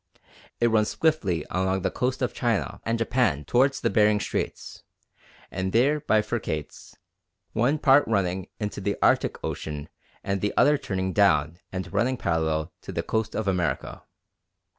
It runs swiftly along the coast of China and Japan towards the Behring Straits, and there bifurcates, one part running into the Arctic Ocean and the other turning down and running parallel with the coast of America.